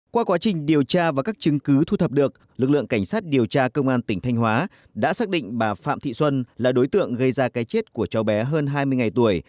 qua quá trình điều tra và các chứng cứ thu thập được lực lượng cảnh sát điều tra công an tỉnh thanh hóa đã xác định bà phạm thị xuân là đối tượng gây ra cái chết của cháu bé hơn hai mươi ngày tuổi